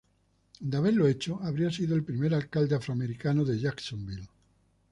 De haberlo hecho habría sido el primer alcalde afroamericano de Jacksonville.